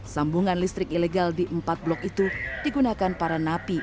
sambungan listrik ilegal di empat blok itu digunakan para napi